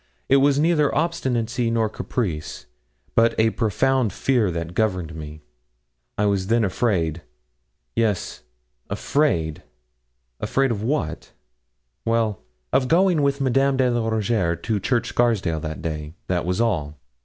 It was neither obstinacy nor caprice, but a profound fear that governed me. I was then afraid yes, afraid. Afraid of what? Well, of going with Madame de la Rougierre to Church Scarsdale that day. That was all.